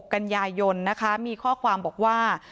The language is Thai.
กันยายนนะคะมีข้อความบอกว่า